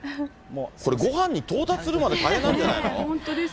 それごはんに到達するまで大変なんじゃないの？